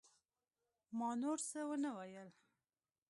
ما نور څه ونه ويل.